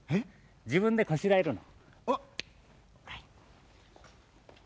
じぶんでこしらえるの。